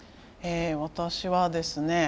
私はですね